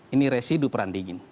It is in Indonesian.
ini residu peran dingin